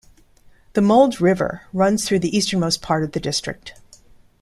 The Mulde River runs through the easternmost part of the district.